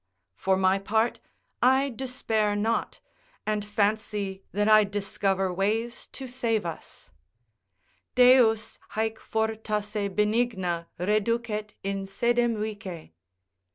For my part, I despair not, and fancy that I discover ways to save us: "Deus haec fortasse benigna Reducet in sedem vice."